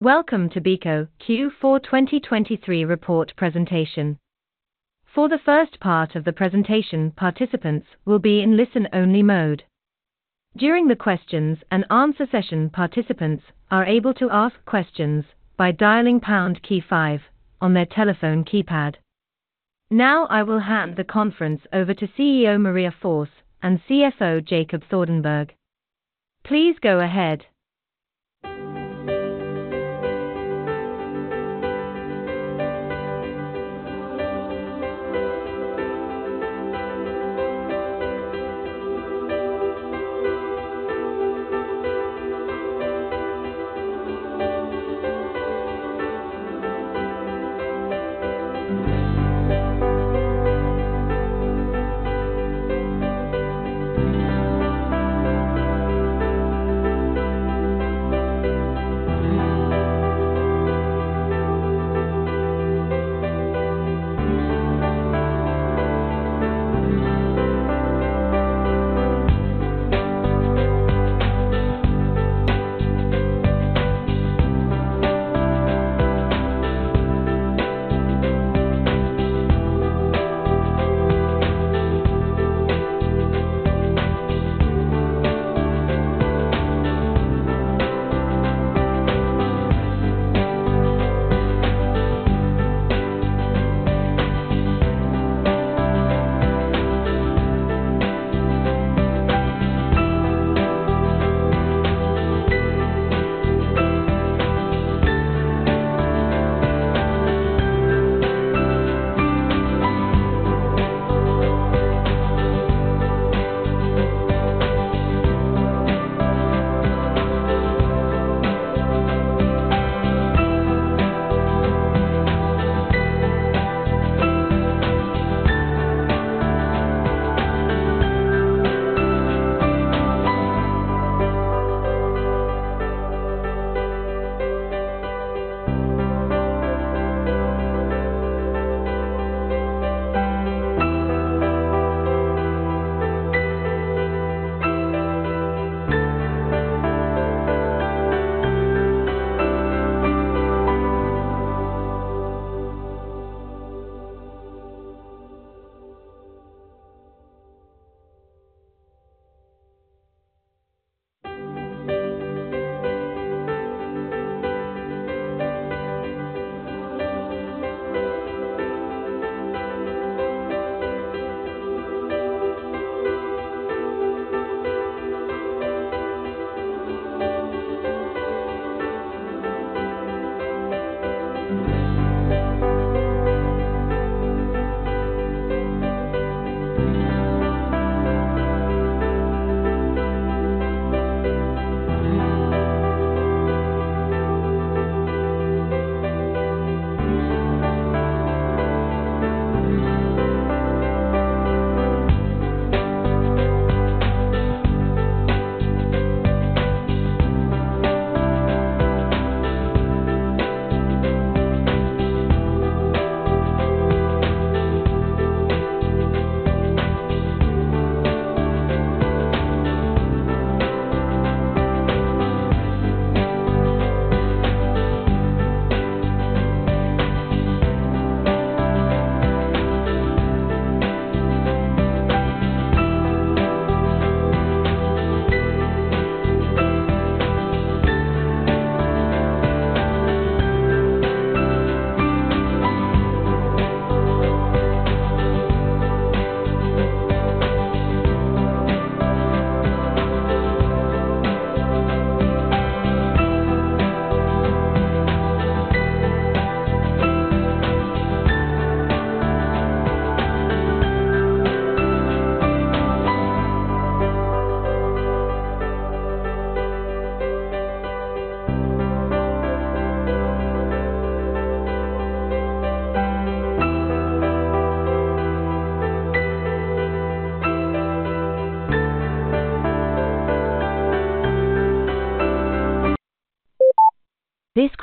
Welcome to BICO Q4 2023 report presentation. For the first part of the presentation participants will be in listen-only mode. During the questions and answer session participants are able to ask questions by dialing pound key 5 on their telephone keypad. Now I will hand the conference over to CEO Maria Forss and CFO Jacob Thordenberg. Please go ahead.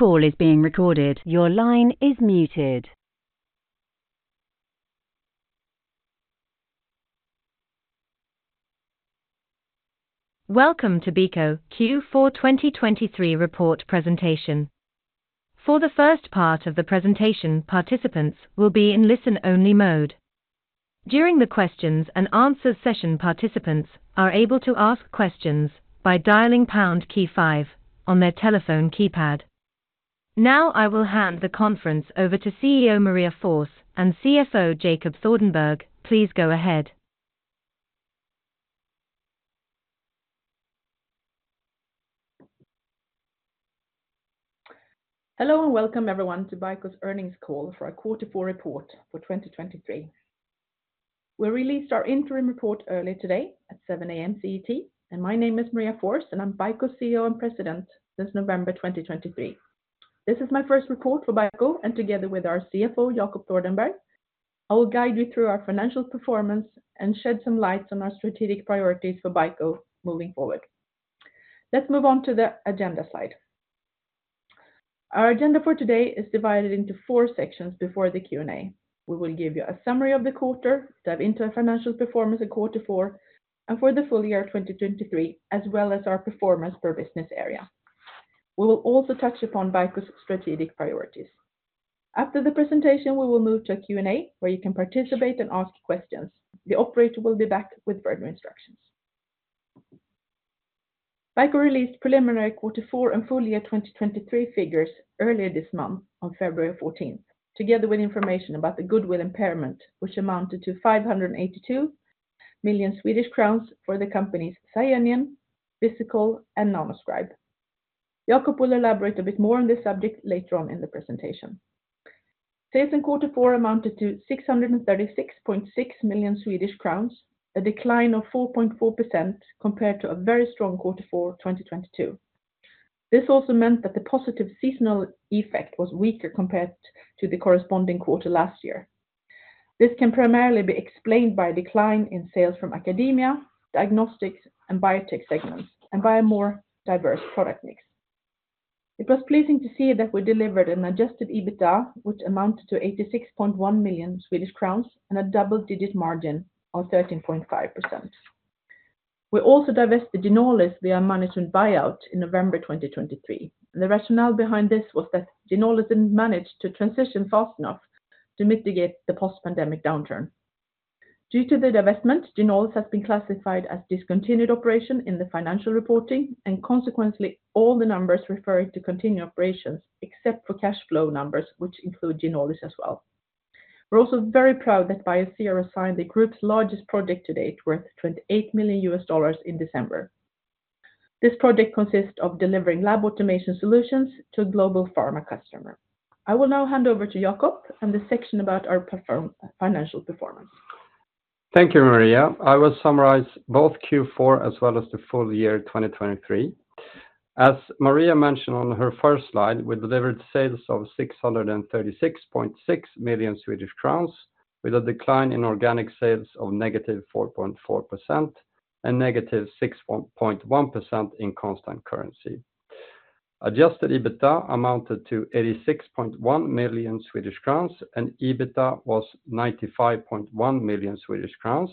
This call is being recorded. Your line is muted. Welcome to BICO Q4 2023 report presentation. For the first part of the presentation participants will be in listen-only mode. During the questions and answers session participants are able to ask questions by dialing pound key 5 on their telephone keypad. Now I will hand the conference over to CEO Maria Forss and CFO Jacob Thordenberg. Please go ahead. Hello and welcome everyone to BICO's earnings call for our Q4 report for 2023. We released our interim report earlier today at 7:00 A.M. CET, and my name is Maria Forss, and I'm BICO's CEO and President since November 2023. This is my first report for BICO, and together with our CFO Jacob Thordenberg, I will guide you through our financial performance and shed some lights on our strategic priorities for BICO moving forward. Let's move on to the agenda slide. Our agenda for today is divided into four sections before the Q&A. We will give you a summary of the quarter, dive into our financial performance in Q4 and for the full year 2023, as well as our performance per business area. We will also touch upon BICO's strategic priorities. After the presentation, we will move to a Q&A where you can participate and ask questions. The operator will be back with further instructions. BICO released preliminary Q4 and full year 2023 figures earlier this month on February 14, together with information about the goodwill impairment, which amounted to 582 million Swedish crowns for the companies Scienion, Visikol, and Nanoscribe. Jacob will elaborate a bit more on this subject later on in the presentation. Sales in Q4 amounted to 636.6 million Swedish crowns, a decline of 4.4% compared to a very strong Q4 2022. This also meant that the positive seasonal effect was weaker compared to the corresponding quarter last year. This can primarily be explained by a decline in sales from academia, diagnostics, and biotech segments, and by a more diverse product mix. It was pleasing to see that we delivered an adjusted EBITDA, which amounted to 86.1 million Swedish crowns and a double-digit margin of 13.5%. We also divested Ginolis via management buyout in November 2023, and the rationale behind this was that Ginolis didn't manage to transition fast enough to mitigate the post-pandemic downturn. Due to the divestment, Ginolis has been classified as discontinued operation in the financial reporting, and consequently, all the numbers referring to continuing operations except for cash flow numbers, which include Ginolis as well. We're also very proud that Biosero signed the group's largest project to date, worth $28 million in December. This project consists of delivering lab automation solutions to a global pharma customer. I will now hand over to Jacob and the section about our financial performance. Thank you, Maria. I will summarize both Q4 as well as the full year 2023. As Maria mentioned on her first slide, we delivered sales of 636.6 million Swedish crowns with a decline in organic sales of -4.4% and -6.1% in constant currency. Adjusted EBITDA amounted to 86.1 million Swedish crowns, and EBITDA was 95.1 million Swedish crowns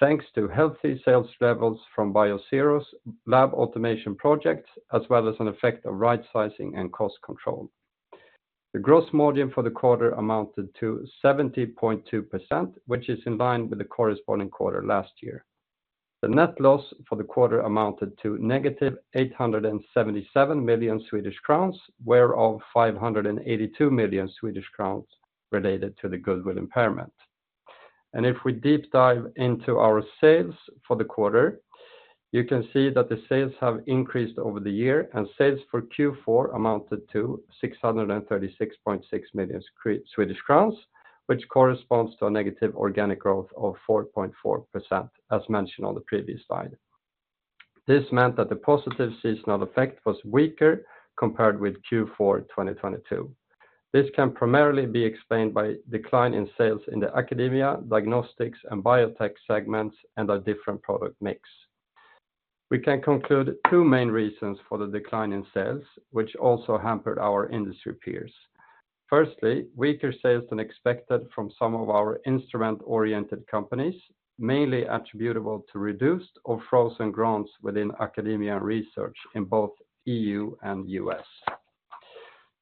thanks to healthy sales levels from Biosero's lab automation projects, as well as an effect of right-sizing and cost control. The gross margin for the quarter amounted to 70.2%, which is in line with the corresponding quarter last year. The net loss for the quarter amounted to -877 million Swedish crowns, whereof 582 million Swedish crowns related to the goodwill impairment. If we deep dive into our sales for the quarter, you can see that the sales have increased over the year, and sales for Q4 amounted to 636.6 million Swedish crowns, which corresponds to a negative organic growth of 4.4%, as mentioned on the previous slide. This meant that the positive seasonal effect was weaker compared with Q4 2022. This can primarily be explained by a decline in sales in the academia, diagnostics, and biotech segments and our different product mix. We can conclude two main reasons for the decline in sales, which also hampered our industry peers. Firstly, weaker sales than expected from some of our instrument-oriented companies, mainly attributable to reduced or frozen grants within academia and research in both EU and U.S.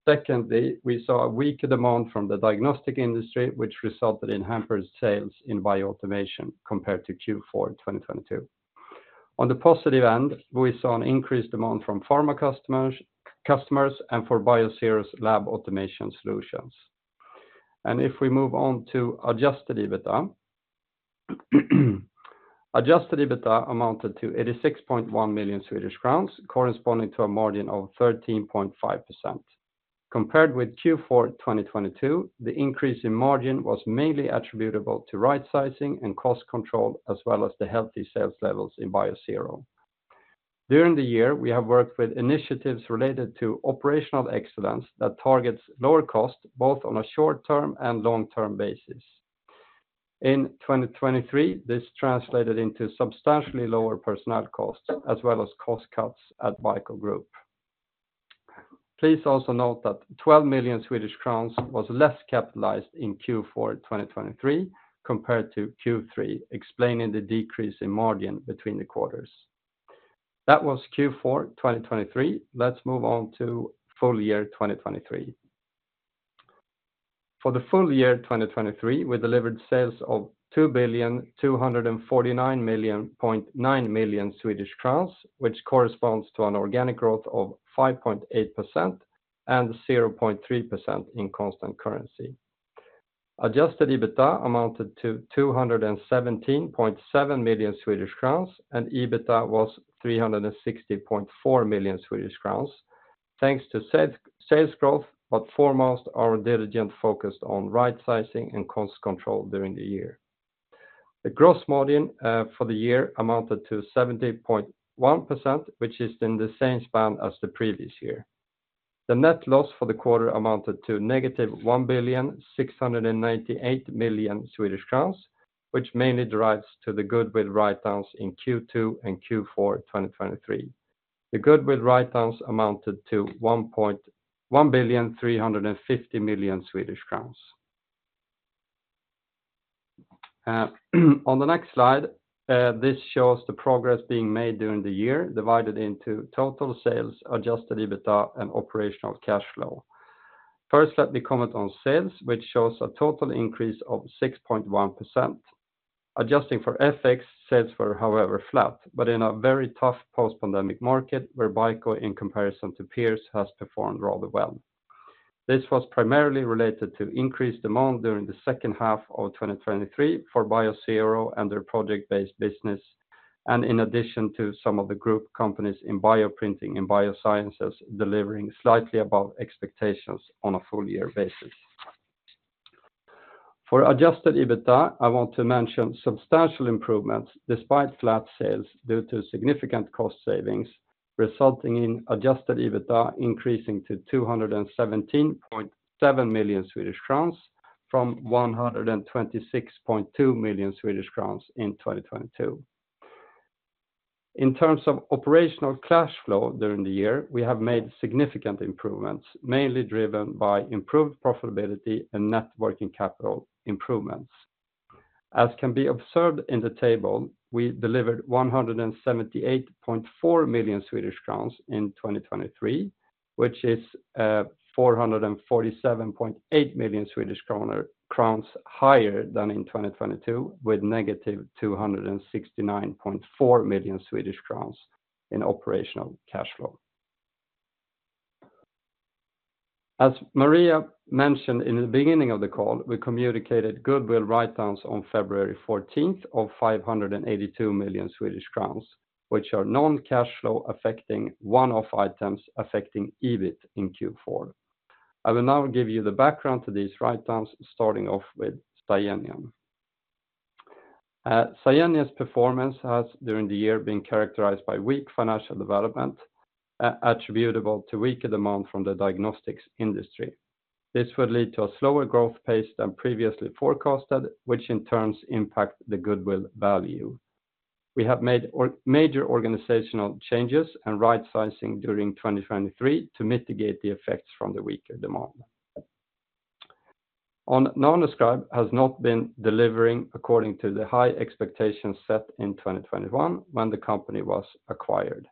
Secondly, we saw a weaker demand from the diagnostic industry, which resulted in hampered sales in lab automation compared to Q4 2022. On the positive end, we saw an increased demand from pharma customers and for Biosero's lab automation solutions. And if we move on to adjusted EBITDA, adjusted EBITDA amounted to 86.1 million Swedish crowns, corresponding to a margin of 13.5%. Compared with Q4 2022, the increase in margin was mainly attributable to right-sizing and cost control, as well as the healthy sales levels in Biosero. During the year, we have worked with initiatives related to operational excellence that targets lower costs both on a short-term and long-term basis. In 2023, this translated into substantially lower personnel costs, as well as cost cuts at BICO Group. Please also note that 12 million Swedish crowns was less capitalized in Q4 2023 compared to Q3, explaining the decrease in margin between the quarters. That was Q4 2023. Let's move on to full year 2023. For the full year 2023, we delivered sales of 2,249.9 million, which corresponds to an organic growth of 5.8% and 0.3% in constant currency. Adjusted EBITDA amounted to 217.7 million Swedish crowns, and EBITDA was 360.4 million Swedish crowns, thanks to sales growth, but foremost our diligence focused on right-sizing and cost control during the year. The gross margin for the year amounted to 70.1%, which is in the same span as the previous year. The net loss for the quarter amounted to -1,698 million Swedish crowns, which mainly derives from the goodwill write-downs in Q2 and Q4 2023. The goodwill write-downs amounted to 1,350 million Swedish crowns. On the next slide, this shows the progress being made during the year, divided into total sales, adjusted EBITDA, and operational cash flow. First, let me comment on sales, which shows a total increase of 6.1%. Adjusting for FX, sales were, however, flat, but in a very tough post-pandemic market where BICO, in comparison to peers, has performed rather well. This was primarily related to increased demand during the second half of 2023 for Biosero and their project-based business, and in addition to some of the group companies in bioprinting and biosciences delivering slightly above expectations on a full-year basis. For Adjusted EBITDA, I want to mention substantial improvements despite flat sales due to significant cost savings, resulting in Adjusted EBITDA increasing to 217.7 million Swedish crowns from 126.2 million Swedish crowns in 2022. In terms of operational cash flow during the year, we have made significant improvements, mainly driven by improved profitability and net working capital improvements. As can be observed in the table, we delivered 178.4 million Swedish crowns in 2023, which is 447.8 million Swedish kronor higher than in 2022, with -269.4 million Swedish crowns in operational cash flow. As Maria mentioned in the beginning of the call, we communicated goodwill write-downs on February 14 of 582 million Swedish crowns, which are non-cash flow affecting one-off items affecting EBIT in Q4. I will now give you the background to these write-downs, starting off with Scienion. Scienion's performance has during the year been characterized by weak financial development attributable to weaker demand from the diagnostics industry. This would lead to a slower growth pace than previously forecasted, which in turn impacts the goodwill value. We have made major organizational changes and right-sizing during 2023 to mitigate the effects from the weaker demand. On Nanoscribe, it has not been delivering according to the high expectations set in 2021 when the company was acquired.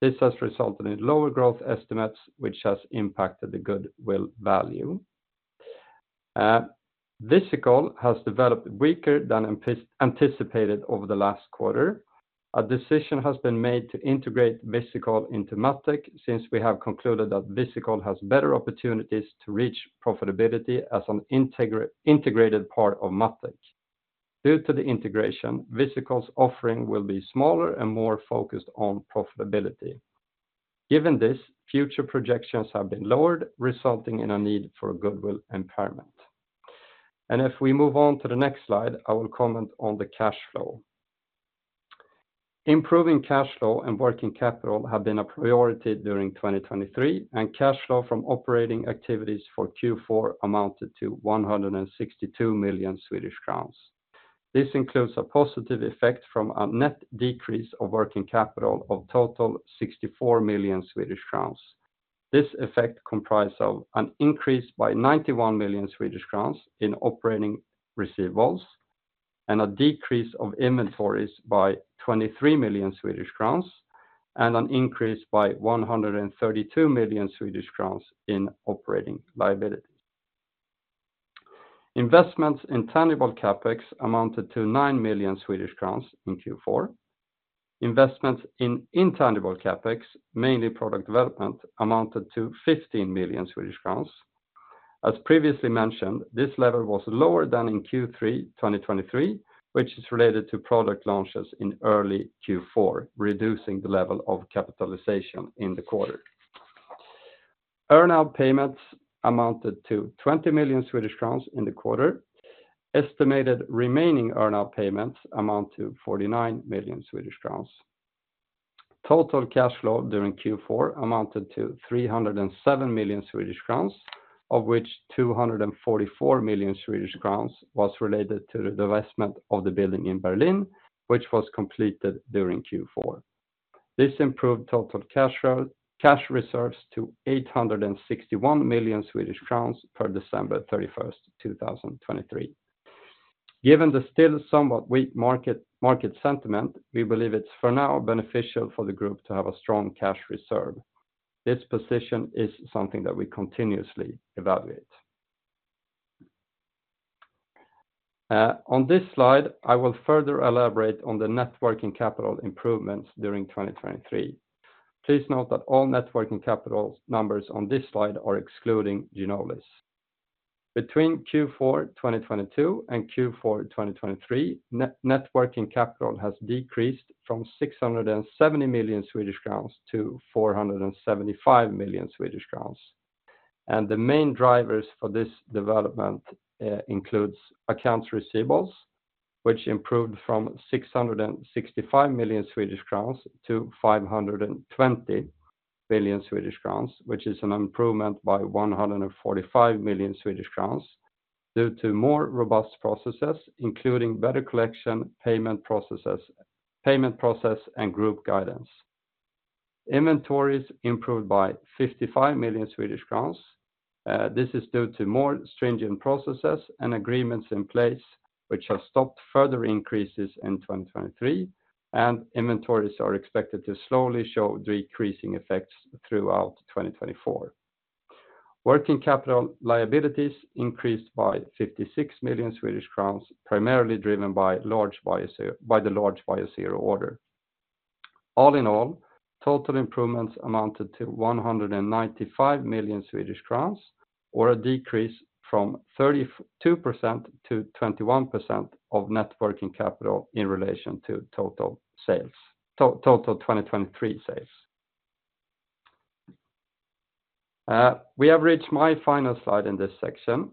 This has resulted in lower growth estimates, which has impacted the goodwill value. Visikol has developed weaker than anticipated over the last quarter. A decision has been made to integrate Visikol into MatTek since we have concluded that Visikol has better opportunities to reach profitability as an integrated part of MatTek. Due to the integration, Visikol's offering will be smaller and more focused on profitability. Given this, future projections have been lowered, resulting in a need for goodwill impairment. And if we move on to the next slide, I will comment on the cash flow. Improving cash flow and working capital have been a priority during 2023, and cash flow from operating activities for Q4 amounted to 162 million Swedish crowns. This includes a positive effect from a net decrease of working capital of total 64 million Swedish crowns. This effect comprises an increase by 91 million Swedish crowns in operating receivables, a decrease of inventories by 23 million Swedish crowns, and an increase by 132 million Swedish crowns in operating liabilities. Investments in tangible CAPEX amounted to 9 million Swedish crowns in Q4. Investments in intangible CAPEX, mainly product development, amounted to 15 million Swedish crowns. As previously mentioned, this level was lower than in Q3 2023, which is related to product launches in early Q4, reducing the level of capitalization in the quarter. Earn-out payments amounted to 20 million Swedish crowns in the quarter. Estimated remaining earn-out payments amount to 49 million Swedish crowns. Total cash flow during Q4 amounted to 307 million Swedish crowns, of which 244 million Swedish crowns were related to the investment of the building in Berlin, which was completed during Q4. This improved total cash reserves to 861 million Swedish crowns per December 31st, 2023. Given the still somewhat weak market sentiment, we believe it's for now beneficial for the group to have a strong cash reserve. This position is something that we continuously evaluate. On this slide, I will further elaborate on the net working capital improvements during 2023. Please note that all net working capital numbers on this slide are excluding Ginolis. Between Q4 2022 and Q4 2023, net working capital has decreased from 670 million Swedish crowns to 475 million Swedish crowns. The main drivers for this development include accounts receivables, which improved from 665 million Swedish crowns to 520 million Swedish crowns, which is an improvement by 145 million Swedish crowns due to more robust processes, including better collection, payment process, and group guidance. Inventories improved by 55 million Swedish crowns. This is due to more stringent processes and agreements in place, which have stopped further increases in 2023, and inventories are expected to slowly show decreasing effects throughout 2024. Working capital liabilities increased by 56 million Swedish crowns, primarily driven by the large Biosero order. All in all, total improvements amounted to 195 million Swedish crowns, or a decrease from 32%-21% of net working capital in relation to total 2023 sales. We have reached my final slide in this section.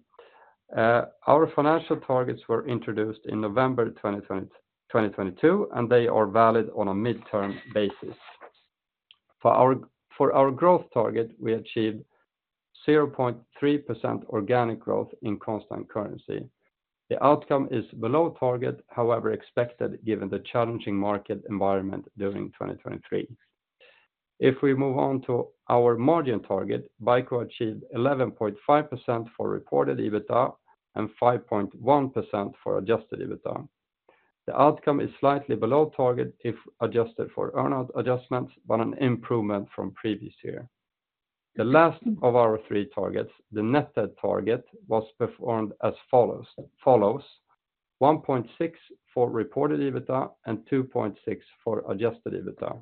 Our financial targets were introduced in November 2022, and they are valid on a mid-term basis. For our growth target, we achieved 0.3% organic growth in constant currency. The outcome is below target, however expected given the challenging market environment during 2023. If we move on to our margin target, BICO achieved 11.5% for reported EBITDA and 5.1% for adjusted EBITDA. The outcome is slightly below target if adjusted for earn-out adjustments, but an improvement from previous year. The last of our three targets, the net debt target, was performed as follows: 1.6% for reported EBITDA and 2.6% for adjusted EBITDA.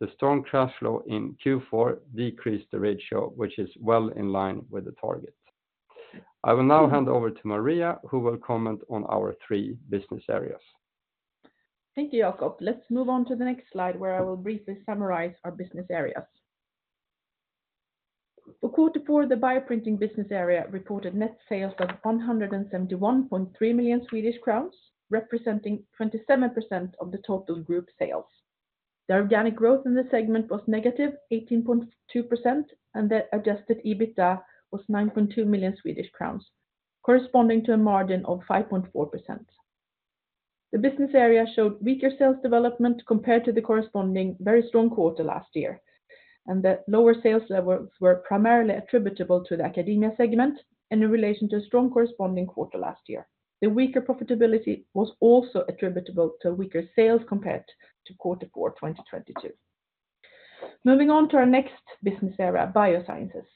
The strong cash flow in Q4 decreased the ratio, which is well in line with the target. I will now hand over to Maria, who will comment on our three business areas. Thank you, Jacob. Let's move on to the next slide, where I will briefly summarize our business areas. For quarter four, the bioprinting business area reported net sales of 171.3 million Swedish crowns, representing 27% of the total group sales. The organic growth in the segment was -18.2%, and the Adjusted EBITDA was 9.2 million Swedish crowns, corresponding to a margin of 5.4%. The business area showed weaker sales development compared to the corresponding very strong quarter last year, and the lower sales levels were primarily attributable to the academia segment in relation to a strong corresponding quarter last year. The weaker profitability was also attributable to weaker sales compared to quarter four 2022. Moving on to our next business area, biosciences.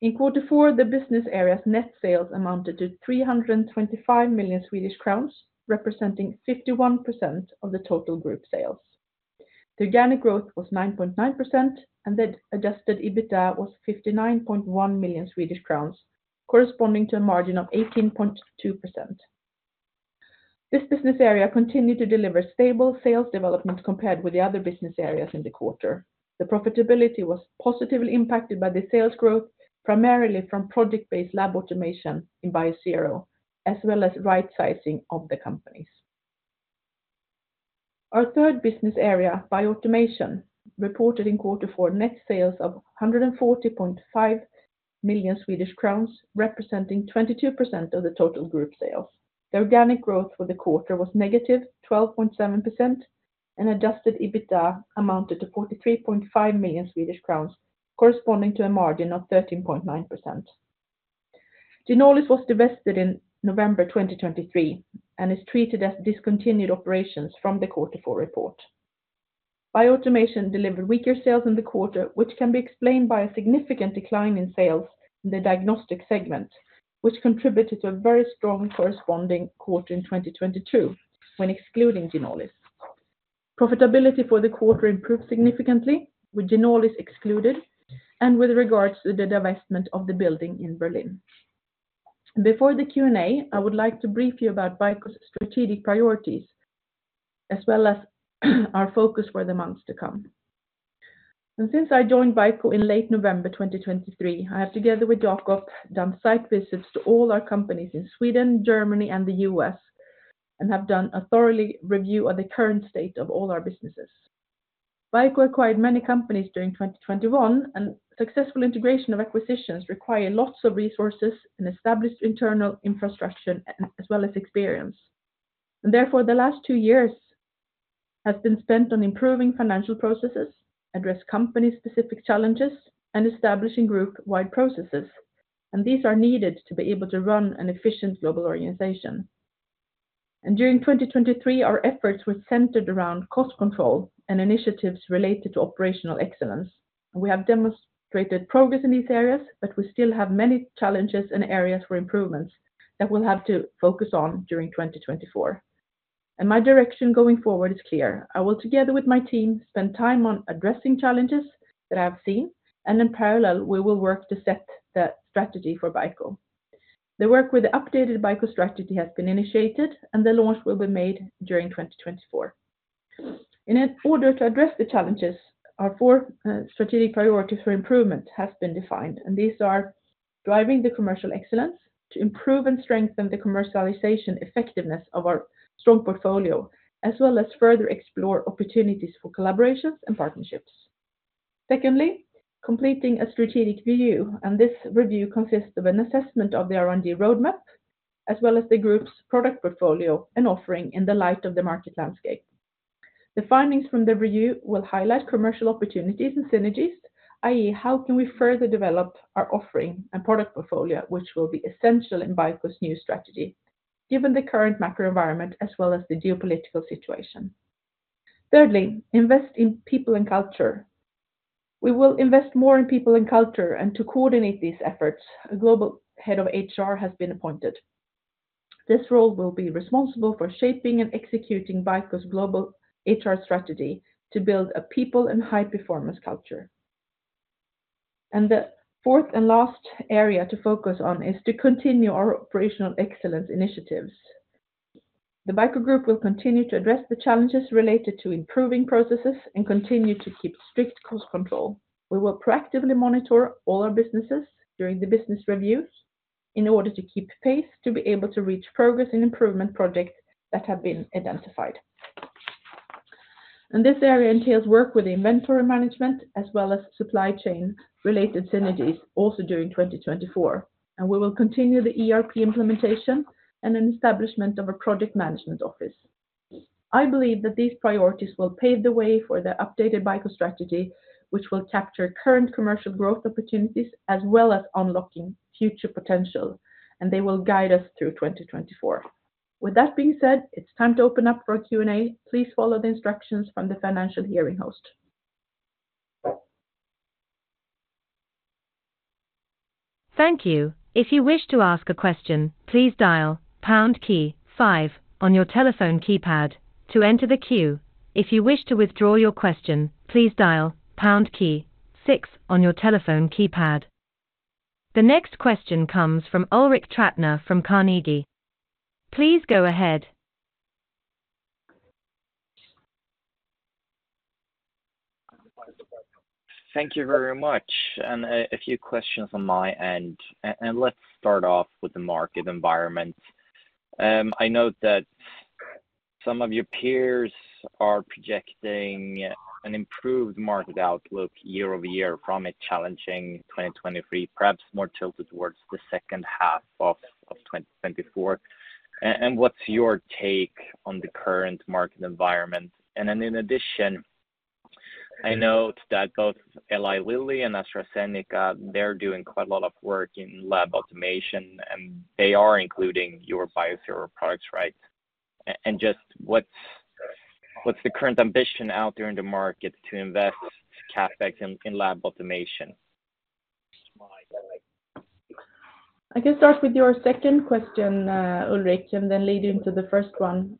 In quarter four, the business area's net sales amounted to 325 million Swedish crowns, representing 51% of the total group sales. The organic growth was 9.9%, and the Adjusted EBITDA was 59.1 million Swedish crowns, corresponding to a margin of 18.2%. This business area continued to deliver stable sales development compared with the other business areas in the quarter. The profitability was positively impacted by the sales growth, primarily from project-based Lab Automation in Biosero, as well as right-sizing of the companies. Our third business area, Lab Automation, reported in quarter four net sales of 140.5 million Swedish crowns, representing 22% of the total group sales. The Organic Growth for the quarter was -12.7%, and Adjusted EBITDA amounted to 43.5 million Swedish crowns, corresponding to a margin of 13.9%. Ginolis was divested in November 2023 and is treated as discontinued operations from the quarter four report. Lab Automation delivered weaker sales in the quarter, which can be explained by a significant decline in sales in the diagnostic segment, which contributed to a very strong corresponding quarter in 2022 when excluding Ginolis. Profitability for the quarter improved significantly with Ginolis excluded and with regards to the divestment of the building in Berlin. Before the Q&A, I would like to brief you about BICO's strategic priorities as well as our focus for the months to come. Since I joined BICO in late November 2023, I have together with Jacob done site visits to all our companies in Sweden, Germany, and the U.S., and have done a thorough review of the current state of all our businesses. BICO acquired many companies during 2021, and successful integration of acquisitions requires lots of resources and established internal infrastructure as well as experience. Therefore, the last two years have been spent on improving financial processes, addressing company-specific challenges, and establishing group-wide processes. These are needed to be able to run an efficient global organization. During 2023, our efforts were centered around cost control and initiatives related to operational excellence. We have demonstrated progress in these areas, but we still have many challenges and areas for improvements that we'll have to focus on during 2024. My direction going forward is clear. I will together with my team spend time on addressing challenges that I have seen, and in parallel, we will work to set the strategy for BICO. The work with the updated BICO strategy has been initiated, and the launch will be made during 2024. In order to address the challenges, our four strategic priorities for improvement have been defined, and these are driving the commercial excellence to improve and strengthen the commercialization effectiveness of our strong portfolio, as well as further explore opportunities for collaborations and partnerships. Secondly, completing a strategic review, and this review consists of an assessment of the R&D roadmap as well as the group's product portfolio and offering in the light of the market landscape. The findings from the review will highlight commercial opportunities and synergies, i.e., how can we further develop our offering and product portfolio, which will be essential in BICO's new strategy given the current macro environment as well as the geopolitical situation. Thirdly, invest in people and culture. We will invest more in people and culture, and to coordinate these efforts, a global head of HR has been appointed. This role will be responsible for shaping and executing BICO's global HR strategy to build a people and high-performance culture. The fourth and last area to focus on is to continue our operational excellence initiatives. The BICO Group will continue to address the challenges related to improving processes and continue to keep strict cost control. We will proactively monitor all our businesses during the business reviews in order to keep pace to be able to reach progress in improvement projects that have been identified. This area entails work with the inventory management as well as supply chain-related synergies also during 2024. We will continue the ERP implementation and an establishment of a project management office. I believe that these priorities will pave the way for the updated BICO strategy, which will capture current commercial growth opportunities as well as unlocking future potential, and they will guide us through 2024. With that being said, it's time to open up for Q&A. Please follow the instructions from the financial hearing host. Thank you. If you wish to ask a question, please dial pound key five on your telephone keypad to enter the queue. If you wish to withdraw your question, please dial pound key six on your telephone keypad. The next question comes from Ulrik Trattner from Carnegie. Please go ahead. Thank you very much. A few questions on my end. Let's start off with the market environment. I note that some of your peers are projecting an improved market outlook year over year from a challenging 2023, perhaps more tilted towards the second half of 2024. What's your take on the current market environment? Then in addition, I note that both Eli Lilly and AstraZeneca, they're doing quite a lot of work in lab automation, and they are including your Biosero products, right? Just what's the current ambition out there in the market to invest CAPEX in lab automation? I can start with your second question, Ulrik, and then lead into the first one.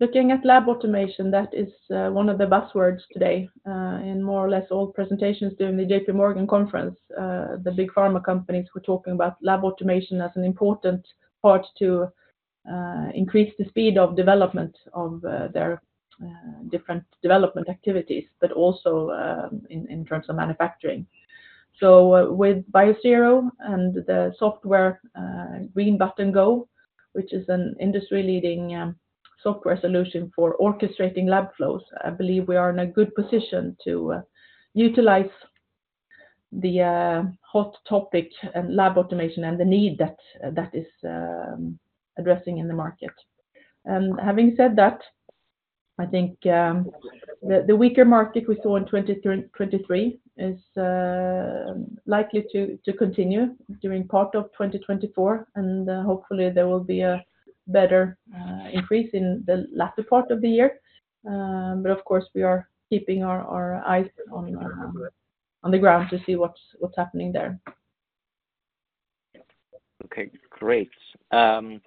Looking at lab automation, that is one of the buzzwords today in more or less all presentations during the J.P. Morgan conference. The big pharma companies were talking about lab automation as an important part to increase the speed of development of their different development activities, but also in terms of manufacturing. So with Biosero and the software Green Button Go, which is an industry-leading software solution for orchestrating lab flows, I believe we are in a good position to utilize the hot topic and lab automation and the need that is addressing in the market. And having said that, I think the weaker market we saw in 2023 is likely to continue during part of 2024, and hopefully there will be a better increase in the latter part of the year. Of course, we are keeping our eyes on the ground to see what's happening there. Okay, great. And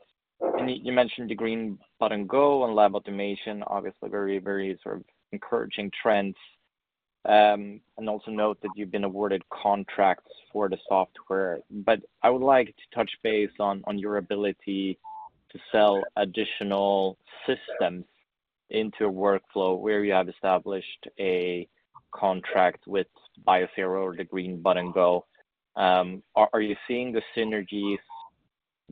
you mentioned the Green Button Go and Lab Automation, obviously very, very sort of encouraging trends. And also note that you've been awarded contracts for the software. But I would like to touch base on your ability to sell additional systems into a workflow where you have established a contract with Biosero or the Green Button Go. Are you seeing the synergies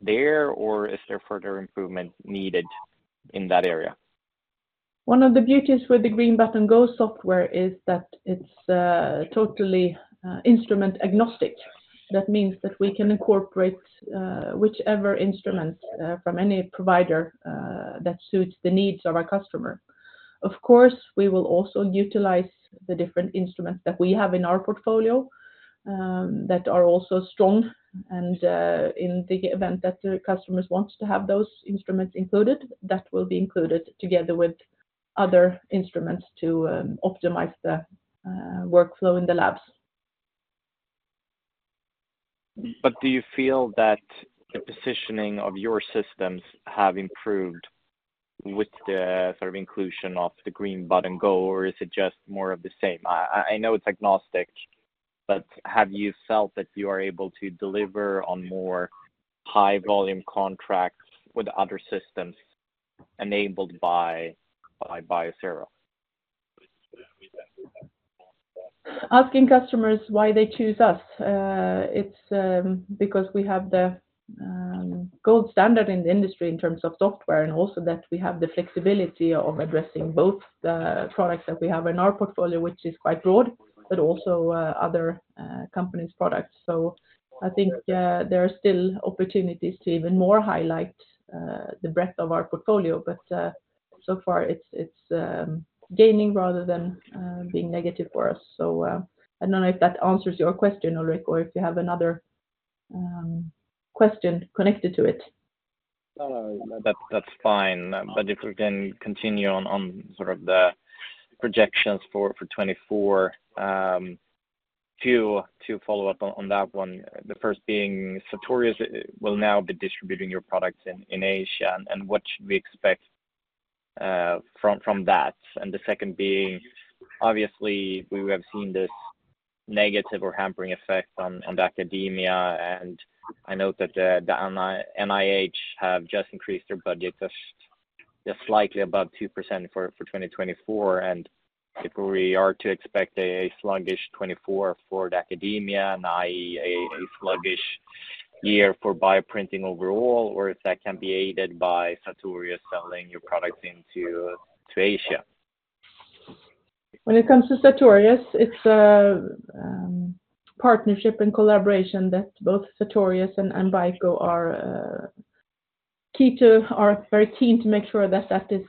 there, or is there further improvement needed in that area? One of the beauties with the Green Button Go software is that it's totally instrument-agnostic. That means that we can incorporate whichever instruments from any provider that suits the needs of our customer. Of course, we will also utilize the different instruments that we have in our portfolio that are also strong. And in the event that the customers want to have those instruments included, that will be included together with other instruments to optimize the workflow in the labs. But do you feel that the positioning of your systems has improved with the sort of inclusion of the Green Button Go, or is it just more of the same? I know it's agnostic, but have you felt that you are able to deliver on more high-volume contracts with other systems enabled by Biosero? Asking customers why they choose us, it's because we have the gold standard in the industry in terms of software, and also that we have the flexibility of addressing both the products that we have in our portfolio, which is quite broad, but also other companies' products. So I think there are still opportunities to even more highlight the breadth of our portfolio, but so far it's gaining rather than being negative for us. So I don't know if that answers your question, Ulrik, or if you have another question connected to it. No, no, that's fine. But if we can continue on sort of the projections for 2024, two follow-up on that one. The first being Sartorius will now be distributing your products in Asia, and what should we expect from that? And the second being, obviously, we have seen this negative or hampering effect on the academia, and I note that the NIH have just increased their budget just slightly above 2% for 2024. And if we are to expect a sluggish 2024 for the academia, i.e., a sluggish year for bioprinting overall, or if that can be aided by Sartorius selling your products into Asia? When it comes to Sartorius, it's a partnership and collaboration that both Sartorius and BICO are very keen to make sure that that is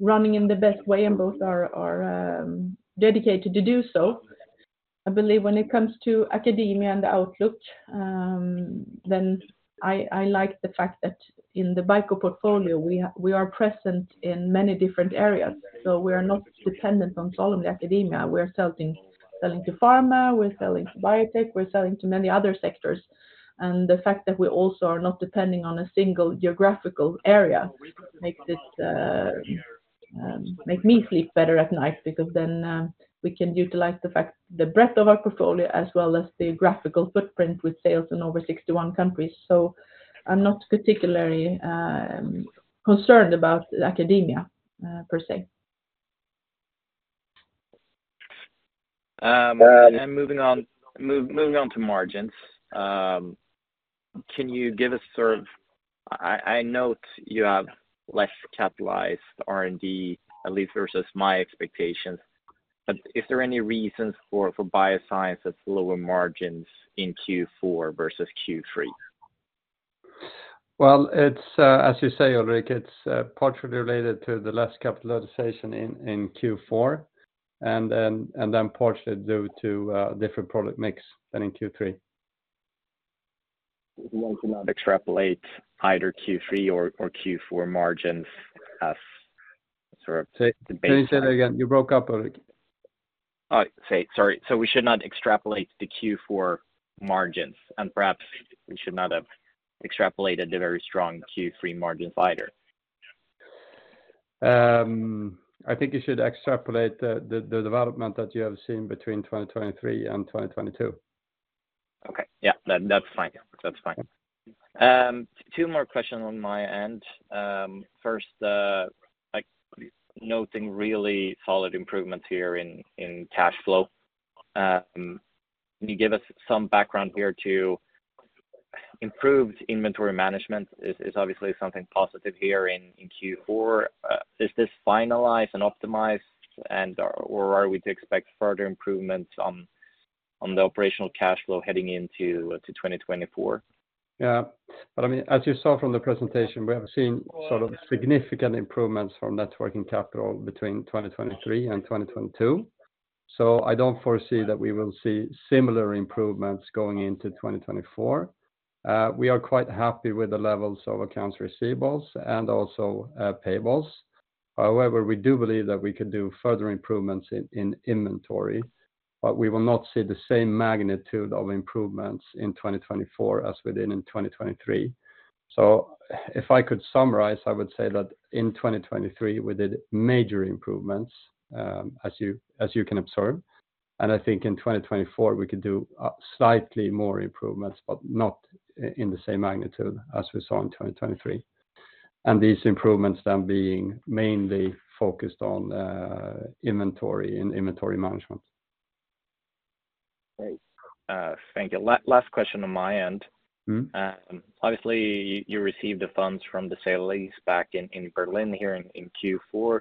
running in the best way and both are dedicated to do so. I believe when it comes to academia and the outlook, then I like the fact that in the BICO portfolio, we are present in many different areas. So we are not dependent on solely academia. We are selling to pharma. We're selling to biotech. We're selling to many other sectors. And the fact that we also are not depending on a single geographical area makes me sleep better at night because then we can utilize the breadth of our portfolio as well as the geographical footprint with sales in over 61 countries. So I'm not particularly concerned about academia per se. Moving on to margins, can you give us sort of, I note you have less capitalized R&D, at least versus my expectations. Is there any reasons for bioscience at lower margins in Q4 versus Q3? Well, as you say, Ulrik, it's partially related to the less capitalization in Q4 and then partially due to a different product mix than in Q3. If you want to not extrapolate either Q3 or Q4 margins as sort of the base. Can you say that again? You broke up, Ulrik. Sorry. So we should not extrapolate to Q4 margins, and perhaps we should not have extrapolated the very strong Q3 margins either. I think you should extrapolate the development that you have seen between 2023 and 2022. Okay. Yeah, that's fine. That's fine. Two more questions on my end. First, noting really solid improvements here in cash flow. Can you give us some background here to improved inventory management? It's obviously something positive here in Q4. Is this finalized and optimized, or are we to expect further improvements on the operational cash flow heading into 2024? Yeah. But I mean, as you saw from the presentation, we have seen sort of significant improvements from net working capital between 2023 and 2022. So I don't foresee that we will see similar improvements going into 2024. We are quite happy with the levels of accounts receivables and also payables. However, we do believe that we could do further improvements in inventory, but we will not see the same magnitude of improvements in 2024 as we did in 2023. So if I could summarize, I would say that in 2023, we did major improvements, as you can observe. And I think in 2024, we could do slightly more improvements, but not in the same magnitude as we saw in 2023. And these improvements then being mainly focused on inventory and inventory management. Great. Thank you. Last question on my end. Obviously, you received the funds from the sale lease back in Berlin here in Q4,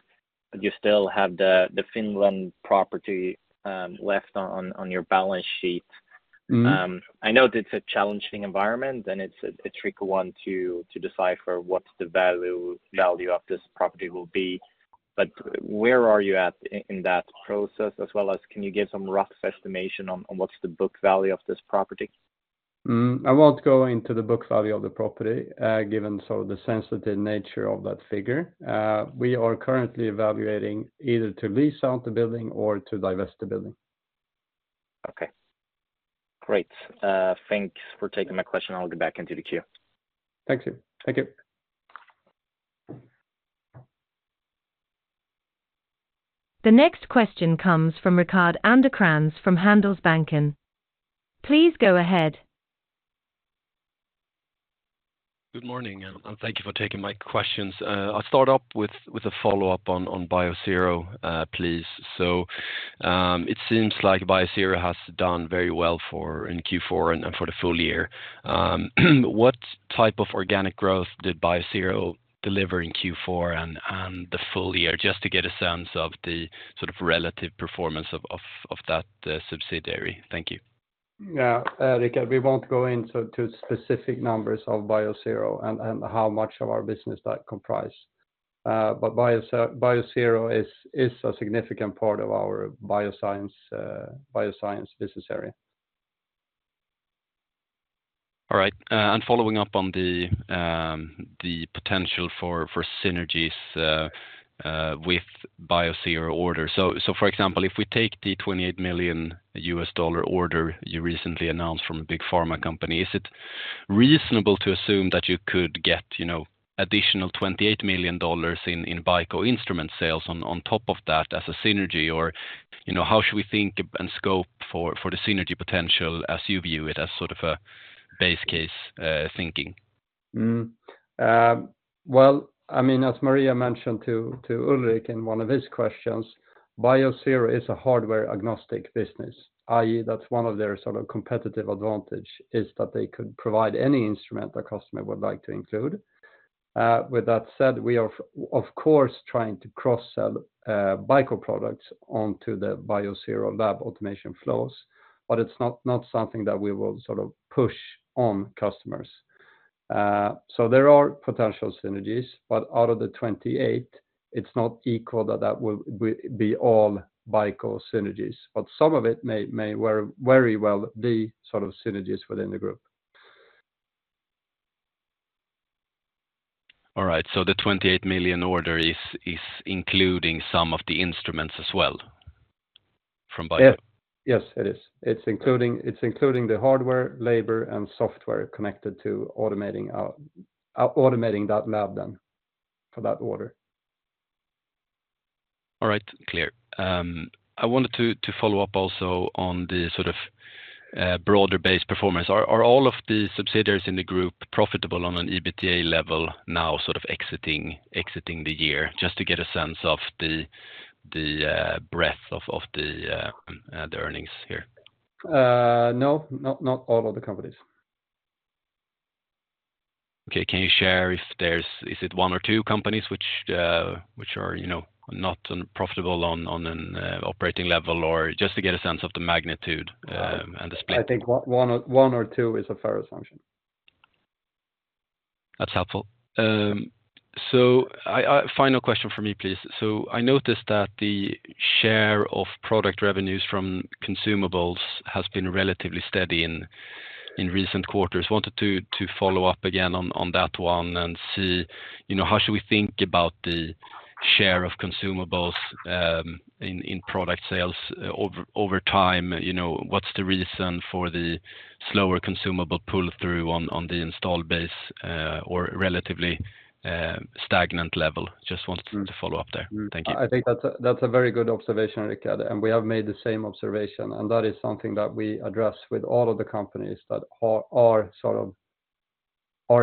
but you still have the Finland property left on your balance sheet. I note it's a challenging environment, and it's a tricky one to decipher what the value of this property will be. But where are you at in that process, as well as can you give some rough estimation on what's the book value of this property? I won't go into the book value of the property given sort of the sensitive nature of that figure. We are currently evaluating either to lease out the building or to divest the building. Okay. Great. Thanks for taking my question. I'll get back into the queue. Thank you. Thank you. The next question comes from Rickard Anderkrans from Handelsbanken. Please go ahead. Good morning, and thank you for taking my questions. I'll start off with a follow-up on Biosero, please. So it seems like Biosero has done very well in Q4 and for the full year. What type of organic growth did Biosero deliver in Q4 and the full year, just to get a sense of the sort of relative performance of that subsidiary? Thank you. Yeah, Rickard, we won't go into specific numbers of Biosero and how much of our business that comprises. But Biosero is a significant part of our bioscience business area. All right. And following up on the potential for synergies with Biosero orders. So for example, if we take the $28 million order you recently announced from a big pharma company, is it reasonable to assume that you could get additional $28 million in BICO instrument sales on top of that as a synergy? Or how should we think and scope for the synergy potential as you view it as sort of a base case thinking? Well, I mean, as Maria mentioned to Ulrik in one of his questions, Biosero is a hardware-agnostic business, i.e., that's one of their sort of competitive advantages, is that they could provide any instrument a customer would like to include. With that said, we are, of course, trying to cross-sell BICO products onto the Biosero lab automation flows, but it's not something that we will sort of push on customers. So there are potential synergies, but out of the 28, it's not equal that that will be all BICO synergies, but some of it may very well be sort of synergies within the group. All right. So the $28 million order is including some of the instruments as well from BICO? Yes, it is. It's including the hardware, labor, and software connected to automating that lab then for that order. All right, clear. I wanted to follow up also on the sort of broader-based performance. Are all of the subsidiaries in the group profitable on an EBITDA level now sort of exiting the year, just to get a sense of the breadth of the earnings here? No, not all of the companies. Okay. Can you share if it is one or two companies which are not profitable on an operating level, or just to get a sense of the magnitude and the split? I think one or two is a fair assumption. That's helpful. So final question for me, please. So I noticed that the share of product revenues from consumables has been relatively steady in recent quarters. Wanted to follow up again on that one and see how should we think about the share of consumables in product sales over time? What's the reason for the slower consumable pull-through on the installed base or relatively stagnant level? Just wanted to follow up there. Thank you. I think that's a very good observation, Rickard. We have made the same observation, and that is something that we address with all of the companies that are sort of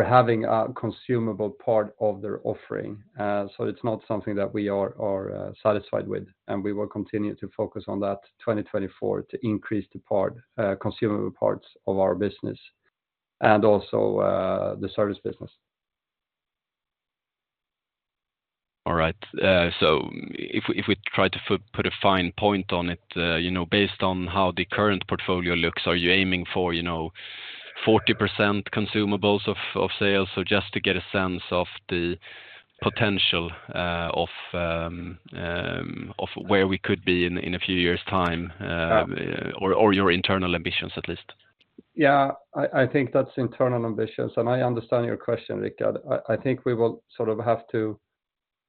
having a consumable part of their offering. It's not something that we are satisfied with, and we will continue to focus on that 2024 to increase the consumable parts of our business and also the service business. All right. So if we try to put a fine point on it, based on how the current portfolio looks, are you aiming for 40% consumables of sales? So just to get a sense of the potential of where we could be in a few years' time or your internal ambitions, at least. Yeah, I think that's internal ambitions. I understand your question, Rickard. I think we will sort of have to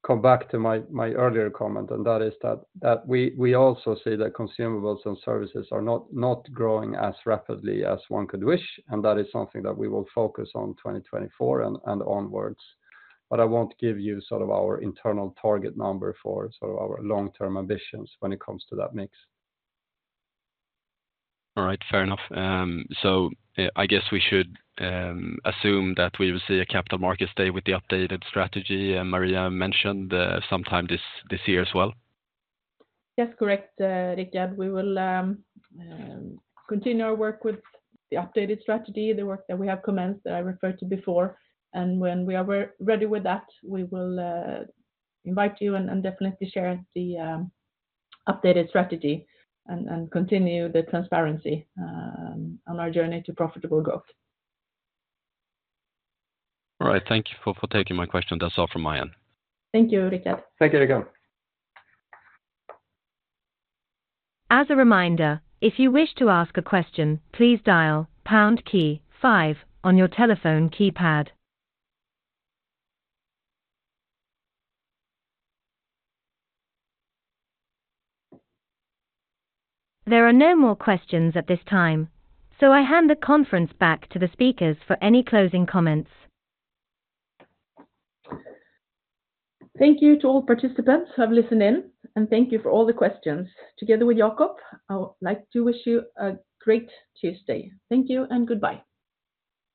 come back to my earlier comment, and that is that we also see that consumables and services are not growing as rapidly as one could wish, and that is something that we will focus on 2024 and onward. But I won't give you sort of our internal target number for sort of our long-term ambitions when it comes to that mix. All right, fair enough. I guess we should assume that we will see a capital markets day with the updated strategy Maria mentioned sometime this year as well. Yes, correct, Rickard. We will continue our work with the updated strategy, the work that we have commenced that I referred to before. When we are ready with that, we will invite you and definitely share the updated strategy and continue the transparency on our journey to profitable growth. All right. Thank you for taking my question. That's all from my end. Thank you, Rickard. Thank you, Rickard. As a reminder, if you wish to ask a question, please dial pound key 5 on your telephone keypad. There are no more questions at this time, so I hand the conference back to the speakers for any closing comments. Thank you to all participants who have listened in, and thank you for all the questions. Together with Jacob, I would like to wish you a great Tuesday. Thank you and goodbye.